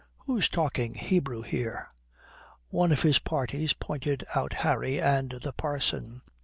"Who's talking Hebrew here?" One of his party pointed out Harry and the parson.